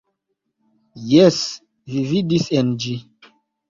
Jes; vi sidis en ĝi.